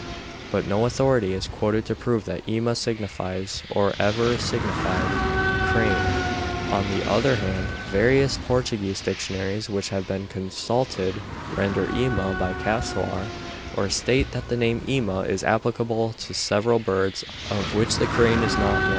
But no authority is quoted to prove that ema signifies, or ever signified, crane. On the other hand, various Portuguese dictionaries which have been consulted render 'ema' by 'casoar,' or state that the name 'ema' is applicable to several birds, of which the crane is not one.